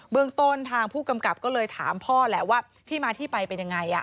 เมืองต้นทางผู้กำกับก็เลยถามพ่อแหละว่าที่มาที่ไปเป็นยังไง